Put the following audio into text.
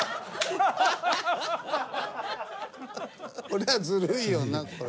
これはずるいよな。